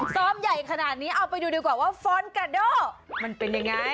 ซ้อมใหญ่ขนาดนี้เอาไปดูดีกว่าว่าฟอนกาโดมันเป็นยังไง